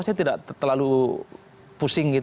saya tidak terlalu pusing